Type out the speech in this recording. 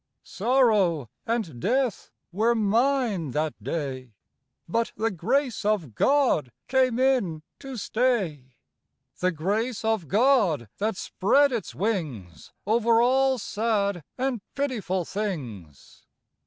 Sorrow and death were mine that day, But the Grace of God came in to stay; The Grace of God that spread its wings Over all sad and pitiful things.